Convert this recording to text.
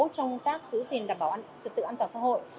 trong tác giữ gìn đảm bảo sự tự an toàn xã hội